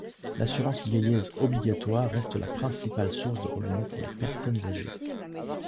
L’assurance vieillesse obligatoire reste la principale source de revenus pour les personnes âgées.